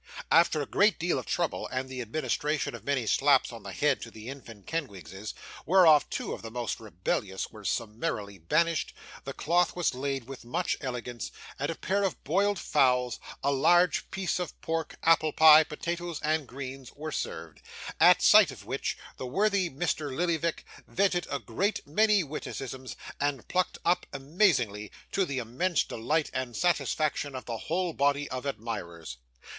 After a great deal of trouble, and the administration of many slaps on the head to the infant Kenwigses, whereof two of the most rebellious were summarily banished, the cloth was laid with much elegance, and a pair of boiled fowls, a large piece of pork, apple pie, potatoes and greens, were served; at sight of which, the worthy Mr. Lillyvick vented a great many witticisms, and plucked up amazingly: to the immense delight and satisfaction of the whole body of admirers.